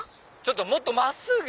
もっと真っすぐ！